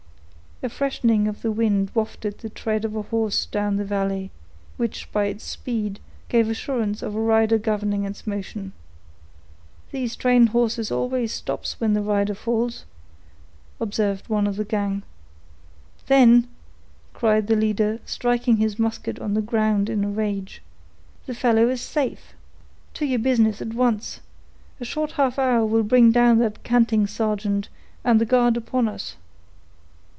A freshening of the wind wafted the tread of a horse down the valley, which, by its speed, gave assurance of a rider governing its motion. "These trained horses always stop when the rider falls," observed one of the gang. "Then," cried the leader, striking his musket on the ground in a rage, "the fellow is safe!—to your business at once. A short half hour will bring down that canting sergeant and the guard upon us.